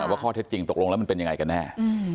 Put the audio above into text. ว่าข้อเท็จจริงตกลงแล้วมันเป็นยังไงกันแน่